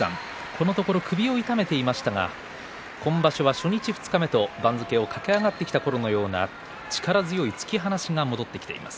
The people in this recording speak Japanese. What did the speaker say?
このところ首を痛めていましたが今場所は初日二日目と番付を駆け上がってきたころのような力強い突き放しが戻ってきています。